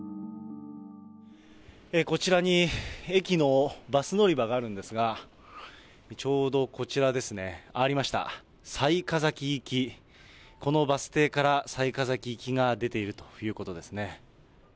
こちらに駅のバス乗り場があるんですが、ちょうどこちらですね、ありました、雑賀崎行き、このバス停から雑賀崎行きが出ているということですね。